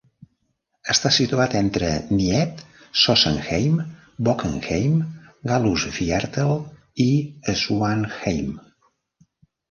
Està situat entre Nied, Sossenheim, Bockenheim, Gallusviertel i Schwanheim.